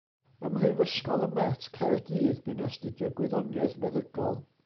Ym Mhrifysgol y Met, Caerdydd bu'n astudio Gwyddoniaeth Feddygol.